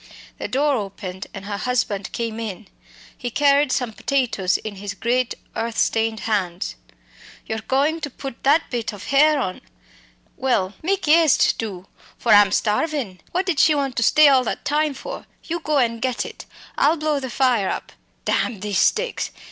The door opened and her husband came in. He carried some potatoes in his great earth stained hands. "You're goin' to put that bit of hare on? Well, mak' eëaste, do, for I'm starvin'. What did she want to stay all that time for? You go and get it. I'll blow the fire up damn these sticks!